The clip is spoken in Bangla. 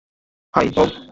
High, Bob.